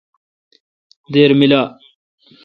دیر میلا۔